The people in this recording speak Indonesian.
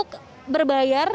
akses masuk berbayar